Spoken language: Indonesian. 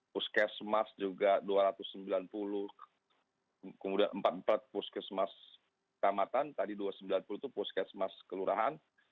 puskesmas juga dua ratus sembilan puluh kemudian empat puluh empat puskesmas tamatan tadi dua ratus sembilan puluh itu puskesmas kelurahan